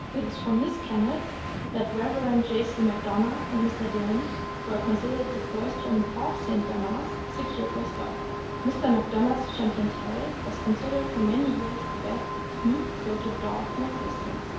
It was from his kennels that the Rev. J. C. Macdona and Mr. Dillon (who are considered the first to import St. Bernards) secured their stock. Mr. Macdona' s Champion Tell was considered for many years the best smooth coated dog in existence.